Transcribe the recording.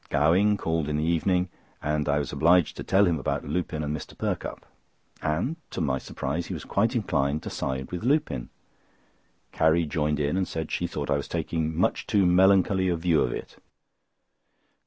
Gowing called in the evening, and I was obliged to tell him about Lupin and Mr. Perkupp; and, to my surprise, he was quite inclined to side with Lupin. Carrie joined in, and said she thought I was taking much too melancholy a view of it.